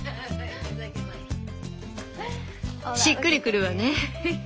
しっくりくるわね。